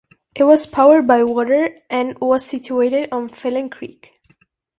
It was powered by water and was situated on Phalen Creek.